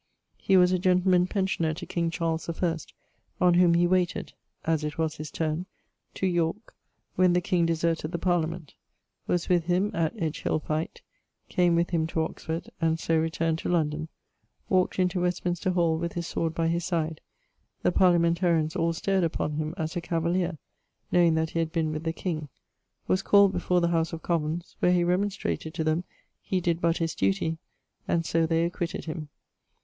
He was a gentleman pensioner to King Charles I, on whom he wayted (as it was his turne) to Yorke (when the King deserted the Parliament); was with him at Edge hill fight; came with him to Oxford; and so returned to London; walkt into Westminster hall with his sword by his side; the Parliamentarians all stared upon him as a Cavaleer, knowing that he had been with the King: was called before the House of Commons, where he remonstrated to them he did but his duty, and so they acquitted him.